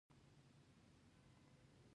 د الوت لپاره څه وخت پاتې و.